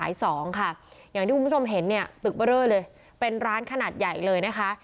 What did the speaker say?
อย่างที่คุณผู้ชมเห็นตึกเบรอเลยเป็นร้านขนาดใหญ่เลยนะคะ